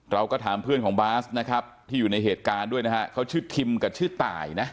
เราก็ถามเพื่อนของบาสนะครับที่อยู่ในเหตุการณ์ด้วยนะฮะเขาชื่อทิมกับชื่อตายนะ